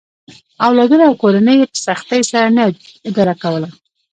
اولادونه او کورنۍ یې په سختۍ سره نه اداره کوله.